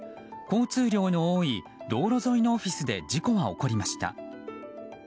交通量の多い道路沿いのオフィスで事故は起きました。